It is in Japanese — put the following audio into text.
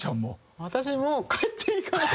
「私もう帰っていいかな」。